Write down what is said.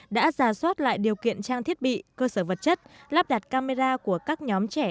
đã giả soát lại điều kiện trang thiết bị cơ sở vật chất lắp đặt camera của các nhóm trẻ